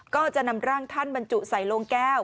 ก็จะนำร่างท่านบรรจุใส่โลงแก้ว